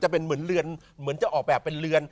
เป็นเหมือนเรือนเหมือนจะออกแบบเป็นเรือน